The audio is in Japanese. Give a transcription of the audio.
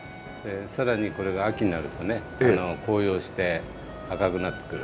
更にこれが秋になるとね紅葉して赤くなってくる。